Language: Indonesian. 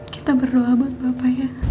kita berdoa buat bapak ya